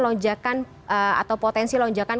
lonjakan atau potensi lonjakan